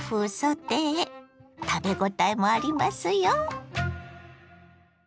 食べごたえもありますよ。